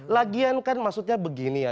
lagian kan maksudnya begini ya